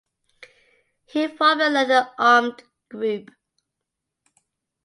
He formed and led an armed group.